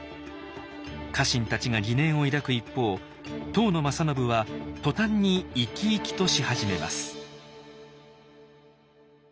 家臣たちが疑念を抱く一方当の正信は途端に生き生きとし始めます。